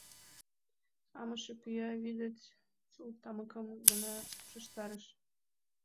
Амыше пӱя вӱдет чылт тамыкым гына ушештарыш.